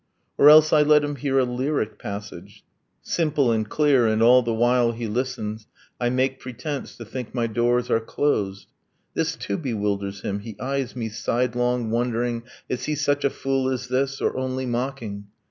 ... Or else I let him hear a lyric passage, Simple and clear; and all the while he listens I make pretence to think my doors are closed. This too bewilders him. He eyes me sidelong Wondering 'Is he such a fool as this? Or only mocking?'